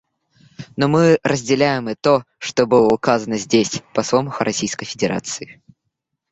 Но мы разделяем и то, что было указано здесь послом Российской Федерации.